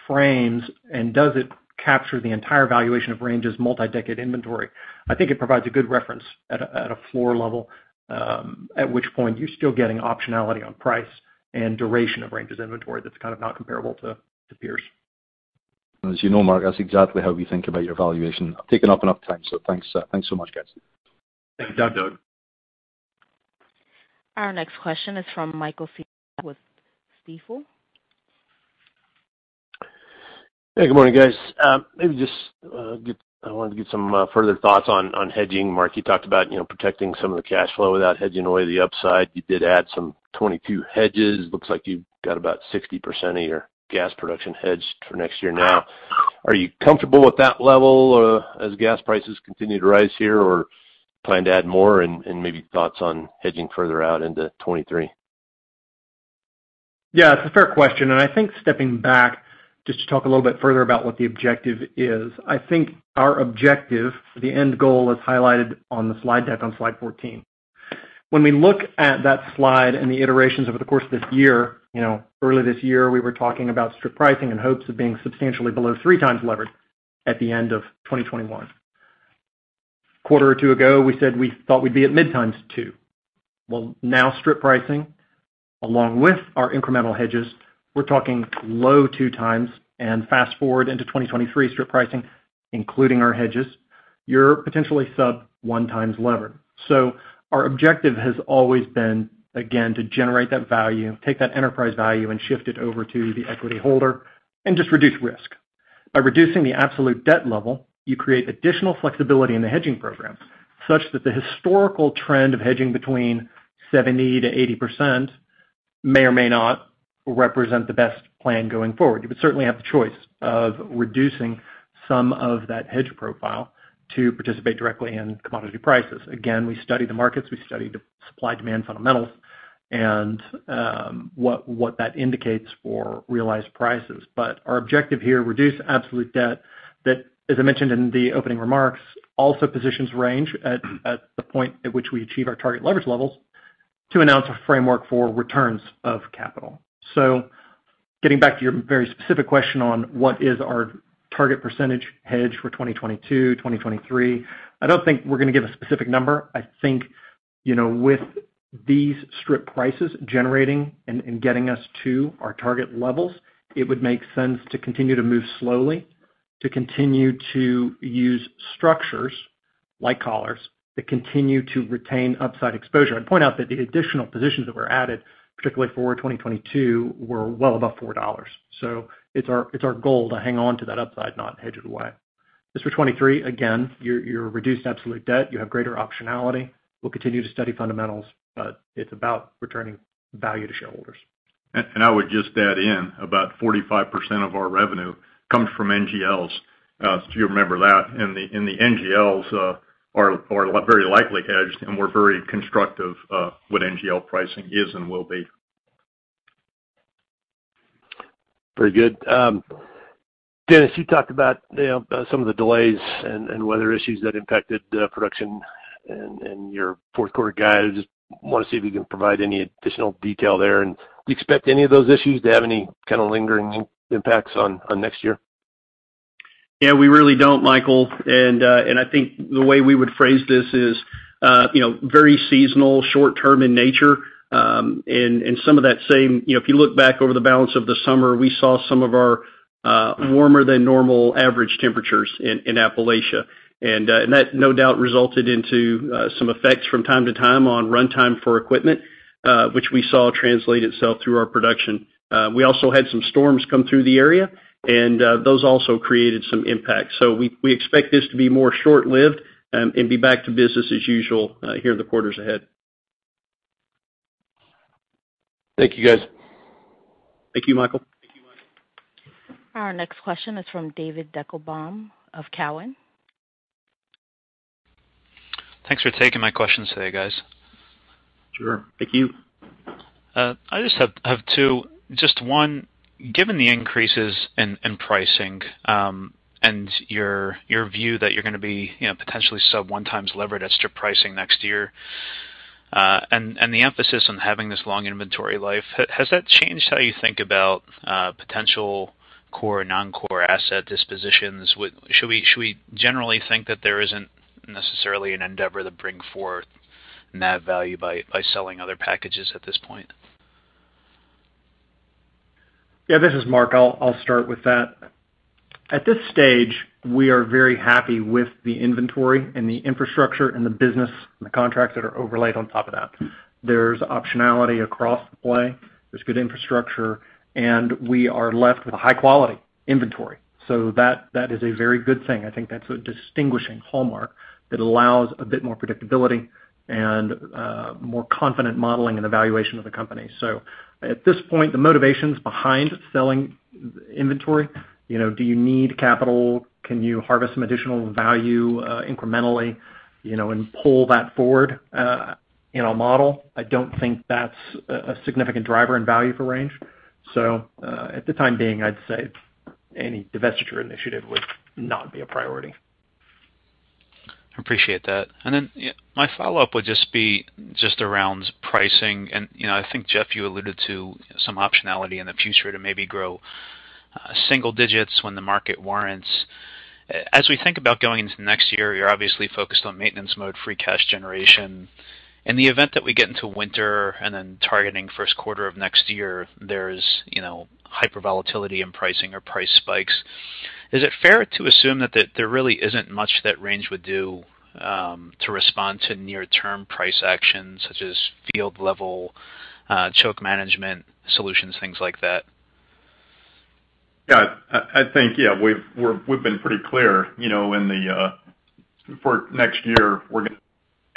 frames, and does it capture the entire valuation of Range's multi-decade inventory, I think it provides a good reference at a floor level, at which point you're still getting optionality on price and duration of Range's inventory that's kind of not comparable to peers. As you know, Mark, that's exactly how we think about your valuation. I've taken up enough time, so thanks. Thanks so much, guys. Thank you, Doug. Thank you, Doug. Our next question is from Michael with Stifel. Hey, good morning, guys. Maybe just I wanted to get some further thoughts on hedging. Mark, you talked about, you know, protecting some of the cash flow without hedging away the upside. You did add some 2022 hedges. Looks like you've got about 60% of your gas production hedged for next year now. Are you comfortable with that level as gas prices continue to rise here, or plan to add more? Maybe thoughts on hedging further out into 2023. Yeah, it's a fair question, and I think stepping back just to talk a little bit further about what the objective is. I think our objective, the end goal is highlighted on the slide deck on slide 14. When we look at that slide and the iterations over the course of this year, you know, early this year, we were talking about strip pricing in hopes of being substantially below 3x leverage at the end of 2021. A quarter or two ago, we said we thought we'd be at mid-2x. Well, now strip pricing, along with our incremental hedges, we're talking low 2x. Fast-forward into 2023 strip pricing, including our hedges, you're potentially sub 1x levered. Our objective has always been, again, to generate that value, take that enterprise value and shift it over to the equity holder and just reduce risk. By reducing the absolute debt level, you create additional flexibility in the hedging program, such that the historical trend of hedging between 70%-80% may or may not represent the best plan going forward. You would certainly have the choice of reducing some of that hedge profile to participate directly in commodity prices. Again, we study the markets, we study the supply/demand fundamentals and what that indicates for realized prices. But our objective here, reduce absolute debt that, as I mentioned in the opening remarks, also positions Range at the point at which we achieve our target leverage levels to announce a framework for returns of capital. Getting back to your very specific question on what is our target percentage hedge for 2022, 2023, I don't think we're gonna give a specific number. I think, you know, with these strip prices generating and getting us to our target levels, it would make sense to continue to move slowly. To continue to use structures like collars that continue to retain upside exposure. I'd point out that the additional positions that were added, particularly for 2022, were well above $4. It's our goal to hang on to that upside, not hedge it away. As for 2023, again, you're reduced absolute debt, you have greater optionality. We'll continue to study fundamentals, but it's about returning value to shareholders. I would just add in about 45% of our revenue comes from NGLs, so you remember that. The NGLs are very likely hedged, and we're very constructive what NGL pricing is and will be. Very good. Dennis, you talked about, you know, some of the delays and weather issues that impacted production and your fourth quarter guide. I just wanna see if you can provide any additional detail there. Do you expect any of those issues to have any kind of lingering impacts on next year? Yeah, we really don't, Michael. I think the way we would phrase this is, you know, very seasonal, short term in nature. Some of that same, you know, if you look back over the balance of the summer, we saw some of our warmer than normal average temperatures in Appalachia. That no doubt resulted into some effects from time to time on runtime for equipment, which we saw translate itself through our production. We also had some storms come through the area, and those also created some impact. We expect this to be more short-lived, and be back to business as usual, here in the quarters ahead. Thank you, guys. Thank you, Michael. Thank you, Mike. Our next question is from David Deckelbaum of Cowen. Thanks for taking my questions today, guys. Sure. Thank you. I just have one, given the increases in pricing, and your view that you're gonna be, you know, potentially sub 1x levered at strip pricing next year, and the emphasis on having this long inventory life, has that changed how you think about potential core and non-core asset dispositions? Should we generally think that there isn't necessarily an endeavor to bring forth NAV value by selling other packages at this point? Yeah. This is Mark. I'll start with that. At this stage, we are very happy with the inventory and the infrastructure and the business and the contracts that are overlaid on top of that. There's optionality across the play. There's good infrastructure, and we are left with a high-quality inventory. That is a very good thing. I think that's a distinguishing hallmark that allows a bit more predictability and more confident modeling and evaluation of the company. At this point, the motivations behind selling inventory, you know, do you need capital? Can you harvest some additional value, incrementally, you know, and pull that forward in our model? I don't think that's a significant driver and value for Range. For the time being, I'd say any divestiture initiative would not be a priority. Appreciate that. My follow-up would just be around pricing. You know, I think, Jeff, you alluded to some optionality in the future to maybe grow single digits when the market warrants. As we think about going into next year, you're obviously focused on maintenance mode, free cash generation. In the event that we get into winter and then targeting first quarter of next year, there's you know, hyper volatility in pricing or price spikes. Is it fair to assume that there really isn't much that Range would do to respond to near-term price actions such as field level choke management solutions, things like that? Yeah. I think we've been pretty clear, you know, for next year, we're gonna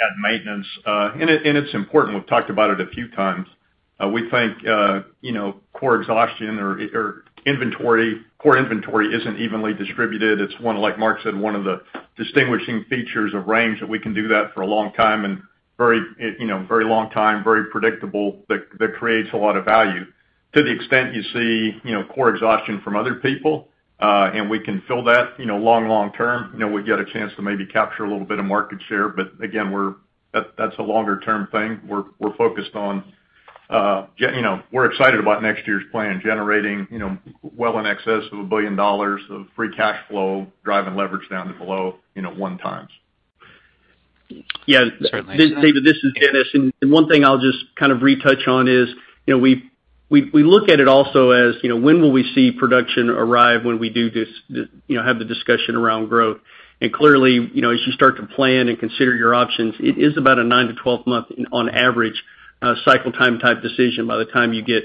add maintenance. It's important. We've talked about it a few times. We think, you know, core exhaustion or core inventory isn't evenly distributed. It's one, like Mark said, of the distinguishing features of Range that we can do that for a very long time, very predictable, that creates a lot of value. To the extent you see, you know, core exhaustion from other people and we can fill that, you know, long term, you know, we get a chance to maybe capture a little bit of market share, but again, that's a longer term thing. We're focused on, you know, we're excited about next year's plan, generating, you know, well in excess of $1 billion of free cash flow, driving leverage down to below, you know, 1x. Yeah. Certainly. David, this is Dennis. One thing I'll just kind of retouch on is, you know, we look at it also as, you know, when will we see production arrive when we do this, you know, have the discussion around growth. Clearly, you know, as you start to plan and consider your options, it is about a nine to 12-month on average cycle time type decision by the time you get,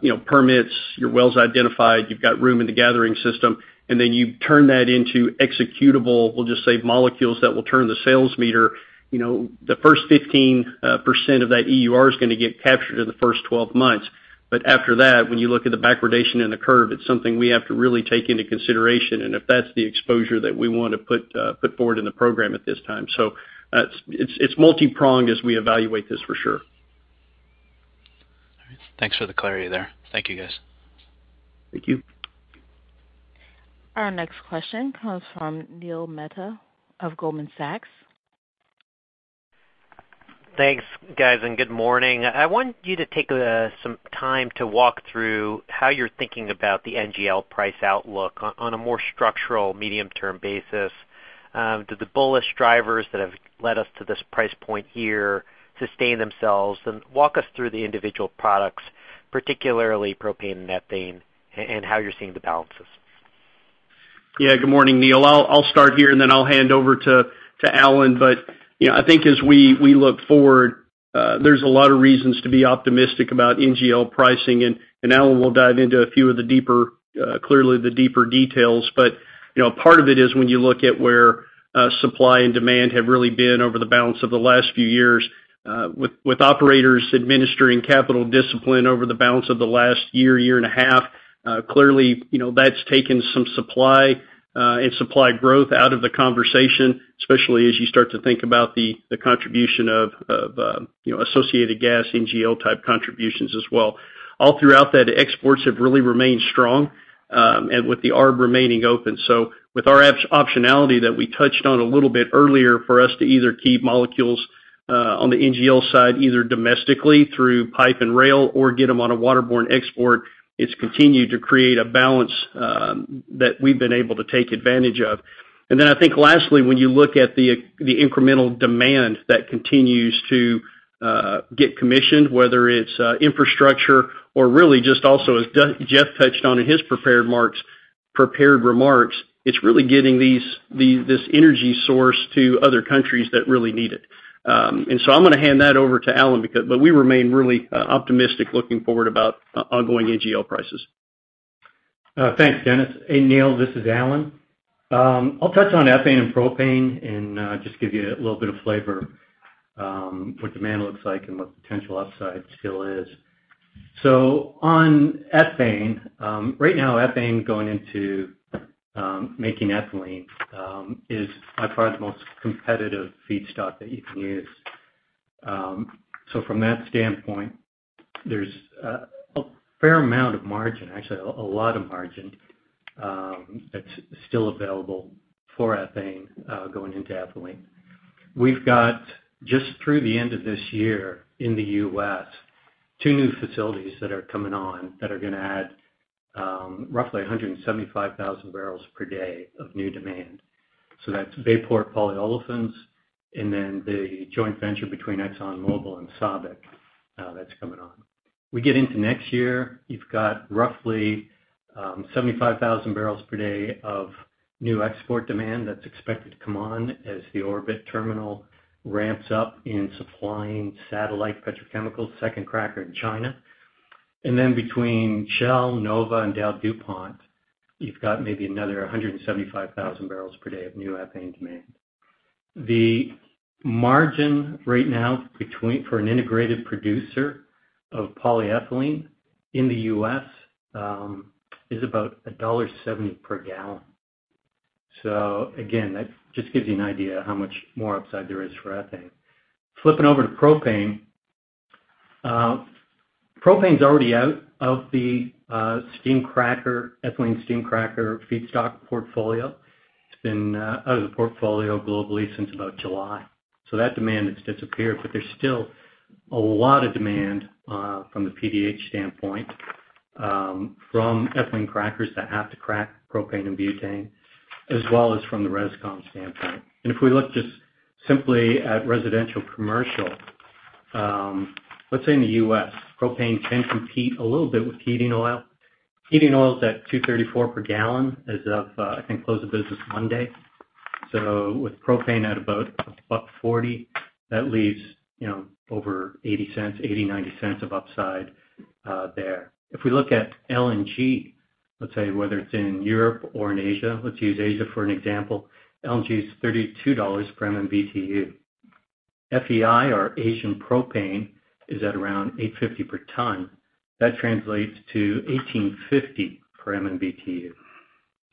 you know, permits, your wells identified, you've got room in the gathering system, and then you turn that into executable, we'll just say molecules that will turn the sales meter. You know, the first 15% of that EUR is gonna get captured in the first 12 months. After that, when you look at the backwardation in the curve, it's something we have to really take into consideration, and if that's the exposure that we wanna put forward in the program at this time. It's multi-pronged as we evaluate this for sure. All right. Thanks for the clarity there. Thank you, guys. Thank you. Our next question comes from Neil Mehta of Goldman Sachs. Thanks, guys, and good morning. I want you to take some time to walk through how you're thinking about the NGL price outlook on a more structural medium-term basis. Do the bullish drivers that have led us to this price point here sustain themselves? Walk us through the individual products, particularly propane and methane, and how you're seeing the balances. Yeah. Good morning, Neil. I'll start here, and then I'll hand over to Alan. You know, I think as we look forward, there's a lot of reasons to be optimistic about NGL pricing. Alan will dive into a few of the deeper, clearly the deeper details. You know, part of it is when you look at where supply and demand have really been over the balance of the last few years, with operators administering capital discipline over the balance of the last year and a half, clearly, you know, that's taken some supply and supply growth out of the conversation, especially as you start to think about the contribution of, you know, associated gas, NGL-type contributions as well. All throughout that, exports have really remained strong, and with the arb remaining open. With our abs-optionality that we touched on a little bit earlier, for us to either keep molecules on the NGL side, either domestically through pipe and rail or get them on a waterborne export, it's continued to create a balance that we've been able to take advantage of. I think lastly, when you look at the incremental demand that continues to get commissioned, whether it's infrastructure or really just also as Jeff touched on in his prepared remarks, it's really getting this energy source to other countries that really need it. I'm gonna hand that over to Alan, but we remain really optimistic looking forward about ongoing NGL prices. Thanks, Dennis. Hey, Neil, this is Alan. I'll touch on ethane and propane and just give you a little bit of flavor what demand looks like and what potential upside still is. On ethane, right now, ethane going into making ethylene is by far the most competitive feedstock that you can use. From that standpoint, there's a fair amount of margin, actually a lot of margin that's still available for ethane going into ethylene. We've got, just through the end of this year in the U.S., two new facilities that are coming on that are gonna add roughly 175,000 barrels per day of new demand. That's Bayport Polyolefins and then the joint venture between ExxonMobil and SABIC that's coming on. We get into next year, you've got roughly 75,000 barrels per day of new export demand that's expected to come on as the Orbit terminal ramps up in supplying Satellite petrochemical, second cracker in China. Then between Shell, NOVA Chemicals and DowDuPont, you've got maybe another 175,000 barrels per day of new ethane demand. The margin right now between for an integrated producer of polyethylene in the U.S. is about $1.70 per gallon. Again, that just gives you an idea how much more upside there is for ethane. Flipping over to propane. Propane's already out of the steam cracker, ethylene steam cracker feedstock portfolio. It's been out of the portfolio globally since about July. That demand has disappeared, but there's still a lot of demand from the PDH standpoint, from ethylene crackers that have to crack propane and butane, as well as from the res com standpoint. If we look just simply at residential commercial, let's say in the U.S., propane can compete a little bit with heating oil. Heating oil is at $2.34 per gallon as of, I think close of business Monday. With propane at about $1.40, that leaves, you know, over $0.80-$0.90 of upside there. If we look at LNG, let's say whether it's in Europe or in Asia, let's use Asia for an example. LNG is $32 per MMBTU. FEI or Asian propane is at around $850 per ton. That translates to $18.50 per MMBTU.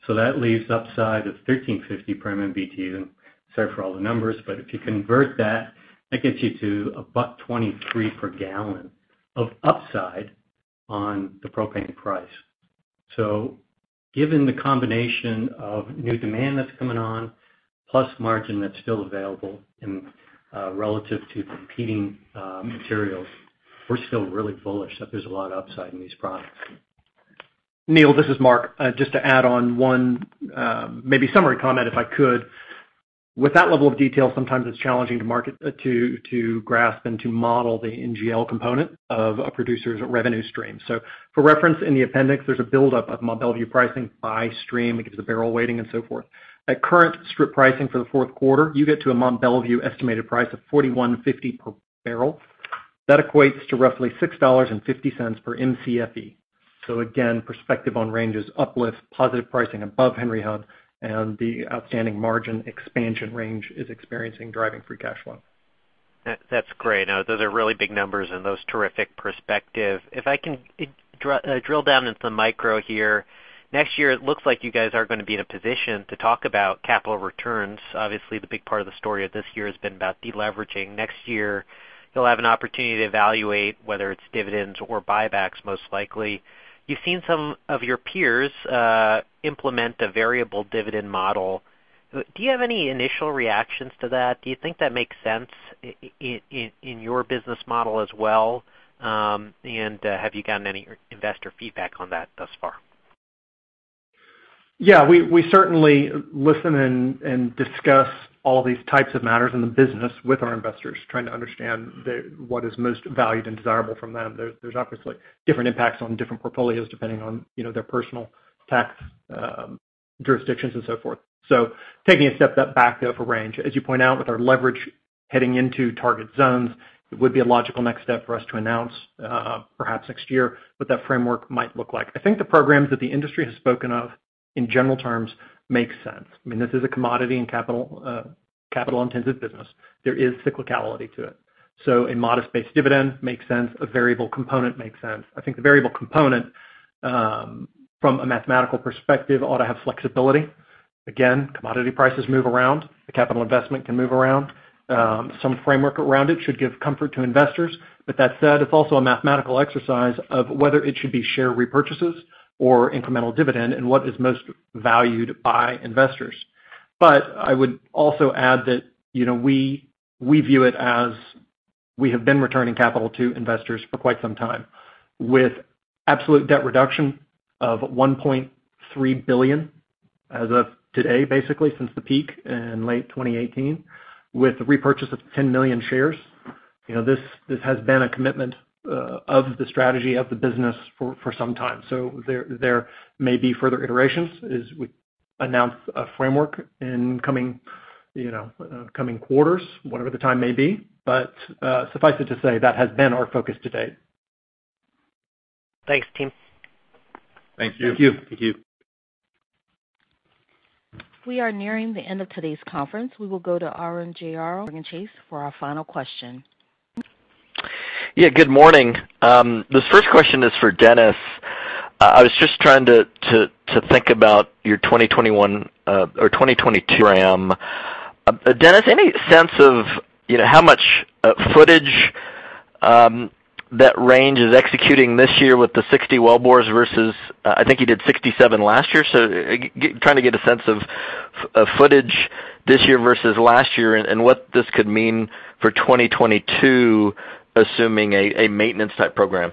That leaves upside of $13.50 per MMBTU. Sorry for all the numbers, but if you convert that gets you to a buck $1.23 per gallon of upside on the propane price. Given the combination of new demand that's coming on, plus margin that's still available and relative to competing materials, we're still really bullish that there's a lot of upside in these products. Neil, this is Mark. Just to add one maybe summary comment, if I could. With that level of detail, sometimes it's challenging to grasp and to model the NGL component of a producer's revenue stream. For reference, in the appendix, there's a buildup of Mont Belvieu pricing by stream. It gives the barrel weighting and so forth. At current strip pricing for the fourth quarter, you get to a Mont Belvieu estimated price of $41.50 per barrel. That equates to roughly $6.50 per Mcfe. Perspective on Range is uplift, positive pricing above Henry Hub, and the outstanding margin expansion Range is experiencing driving free cash flow. That's great. Now, those are really big numbers and that's a terrific perspective. If I can drill down into the micro here. Next year, it looks like you guys are gonna be in a position to talk about capital returns. Obviously, the big part of the story of this year has been about deleveraging. Next year, you'll have an opportunity to evaluate whether it's dividends or buybacks, most likely. You've seen some of your peers implement a variable dividend model. Do you have any initial reactions to that? Do you think that makes sense in your business model as well? Have you gotten any investor feedback on that thus far? Yeah. We certainly listen and discuss all these types of matters in the business with our investors, trying to understand what is most valued and desirable from them. There's obviously different impacts on different portfolios depending on, you know, their personal tax jurisdictions and so forth. Taking a step back, though, for Range, as you point out, with our leverage heading into target zones, it would be a logical next step for us to announce, perhaps next year, what that framework might look like. I think the programs that the industry has spoken of in general terms makes sense. I mean, this is a commodity and capital-intensive business. There is cyclicality to it. A modest-based dividend makes sense. A variable component makes sense. I think the variable component, from a mathematical perspective ought to have flexibility. Again, commodity prices move around, the capital investment can move around. Some framework around it should give comfort to investors. That said, it's also a mathematical exercise of whether it should be share repurchases or incremental dividend and what is most valued by investors. I would also add that, you know, we view it as we have been returning capital to investors for quite some time with absolute debt reduction of $1.3 billion as of today, basically since the peak in late 2018, with the repurchase of 10 million shares. You know, this has been a commitment of the strategy of the business for some time. There may be further iterations as we announce a framework in coming quarters, whatever the time may be. Suffice it to say, that has been our focus to date. Thanks, team. Thank you. Thank you. Thank you. We are nearing the end of today's conference. We will go to Arun Jayaram with JPMorgan Chase for our final question. Yeah, good morning. This first question is for Dennis. I was just trying to think about your 2021 or 2022 program. Dennis, any sense of, you know, how much footage that Range is executing this year with the 60 wellbores versus I think you did 67 last year. Trying to get a sense of footage this year versus last year and what this could mean for 2022, assuming a maintenance type program.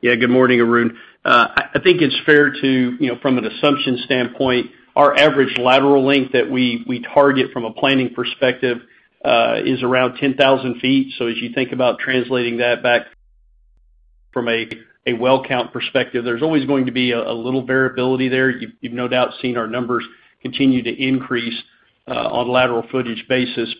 Yeah, good morning, Arun. I think it's fair to, you know, from an assumption standpoint, our average lateral length that we target from a planning perspective is around 10,000 ft. As you think about translating that back from a well count perspective, there's always going to be a little variability there. You've no doubt seen our numbers continue to increase on a lateral footage basis.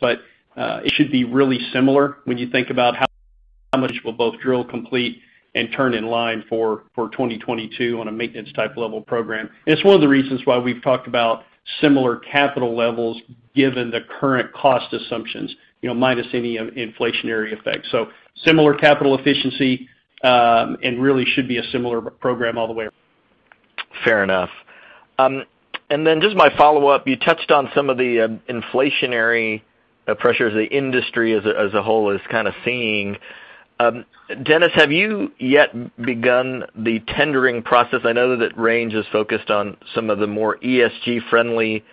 It should be really similar when you think about how much we'll both drill complete and turn in line for 2022 on a maintenance type level program. It's one of the reasons why we've talked about similar capital levels given the current cost assumptions, you know, minus any inflationary effects. Similar capital efficiency, and really should be a similar program all the way. Fair enough. Just my follow-up. You touched on some of the inflationary pressures the industry as a whole is kind of seeing. Dennis, have you yet begun the tendering process? I know that Range is focused on some of the more ESG friendly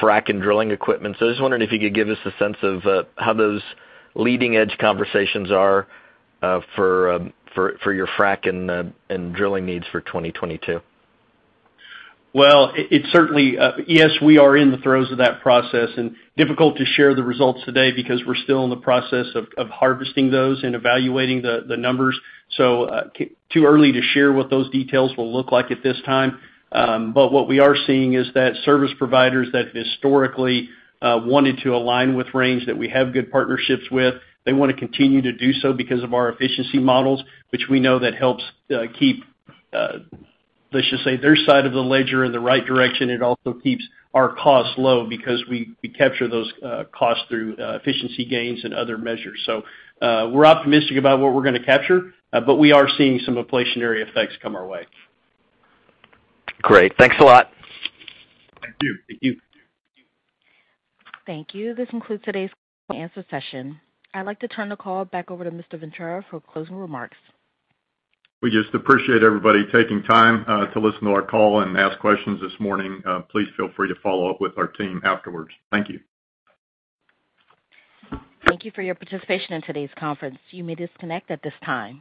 frack and drilling equipment. I was wondering if you could give us a sense of how those leading-edge conversations are for your frack and drilling needs for 2022. Well, certainly, yes, we are in the throes of that process, and difficult to share the results today because we're still in the process of harvesting those and evaluating the numbers. Too early to share what those details will look like at this time. What we are seeing is that service providers that historically wanted to align with Range that we have good partnerships with, they wanna continue to do so because of our efficiency models. Which we know that helps keep, let's just say, their side of the ledger in the right direction. It also keeps our costs low because we capture those costs through efficiency gains and other measures. We're optimistic about what we're gonna capture, but we are seeing some inflationary effects come our way. Great. Thanks a lot. Thank you. Thank you. Thank you. This concludes today's question and answer session. I'd like to turn the call back over to Mr. Ventura for closing remarks. We just appreciate everybody taking time to listen to our call and ask questions this morning. Please feel free to follow up with our team afterwards. Thank you. Thank you for your participation in today's conference. You may disconnect at this time.